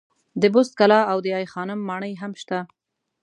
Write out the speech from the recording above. د بست کلا او دای خانم ماڼۍ هم شته.